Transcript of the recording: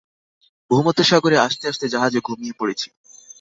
ভূমধ্যসাগরে আসতে আসতে জাহাজে ঘুমিয়ে পড়েছি।